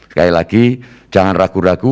sekali lagi jangan ragu ragu